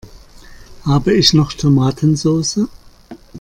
Habe ich noch Tomatensoße?